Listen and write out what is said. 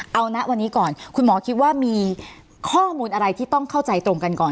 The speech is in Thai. เอานะวันนี้ก่อนคุณหมอคิดว่ามีข้อมูลอะไรที่ต้องเข้าใจตรงกันก่อน